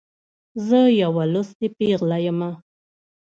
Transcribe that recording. زه یوه لوستې پیغله يمه.